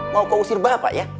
mau kau usir bapak ya